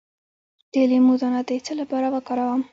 د لیمو دانه د څه لپاره وکاروم؟